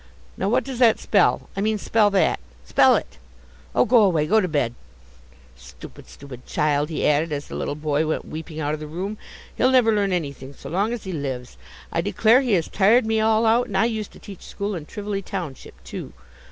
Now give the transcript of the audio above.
Now what does that spell? I mean, spell that! Spell it! Oh, go away! Go to bed! Stupid, stupid child," he added as the little boy went weeping out of the room, "he'll never learn anything so long as he lives. I declare he has tired me all out, and I used to teach school in Trivoli township, too.